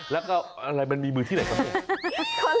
แล้วก็อะไรมันมีมือที่ไหนก็ไม่รู้